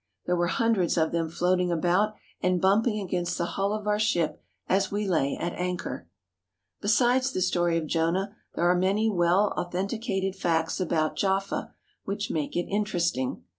There were hundreds of them floating about and bumping against the hull of our ship as we lay at anchor. Besides the story of Jonah there are many well au thenticated facts about Jaffa which make it interesting.